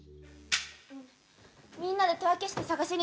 「みんなで手分けして捜しに」